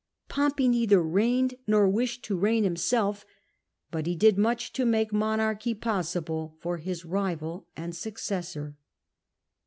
Pompey neither reigned nor wished to reign himself, but he did much to make mon* archy possible for his rival and successor.